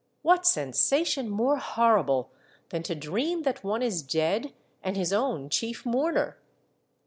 What sensation more horrible than to dream that one is dead and his own chief mourner?